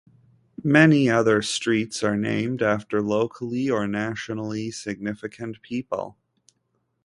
Many other streets are named after locally or nationally significant people.